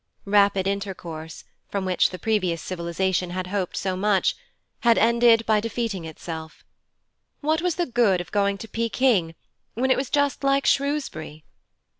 Rapid intercourse, from which the previous civilization had hoped so much, had ended by defeating itself. What was the good of going to Peking when it was just like Shrewsbury?